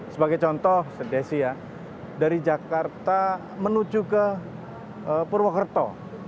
sebagai contoh sedesia dari jakarta menuju ke purwokerto